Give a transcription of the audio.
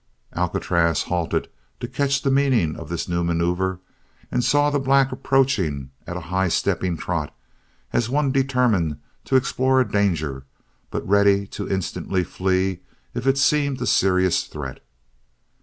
Alcatraz halted to catch the meaning of this new maneuver and saw the black approaching at a high stepping trot as one determined to explore a danger but ready to instantly flee if it seemed a serious threat.